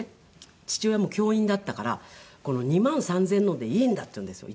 父親も教員だったからこの２万３０００円のでいいんだっていうんですよ一番安いやつ。